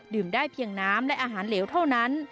ได้เพียงน้ำและอาหารเหลวเท่านั้น